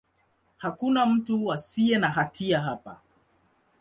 Hakuna mtu asiye na hatia hapa.